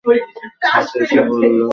কাছে এসে বললে, মিতা, তুমি কি ভাবছ।